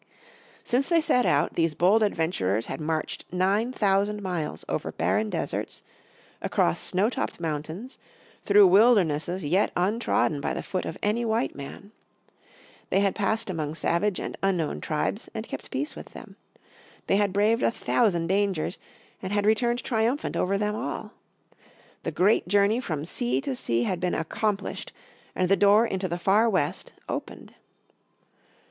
Since they set out, these bold adventurers had marched nine thousand miles over barren deserts, across snow topped mountains, through wildernesses yet untrodden by the foot of any white man. They had passed among savage and unknown tribes, and kept peace with them. They had braved a thousand dangers, and had returned triumphant over them all. The great journey from sea to sea had been accomplished, and the door into the Far West opened.